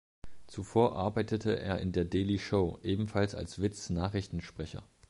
Zuvor arbeitete er in der The Daily Show, ebenfalls als Witz-Nachrichtensprecher.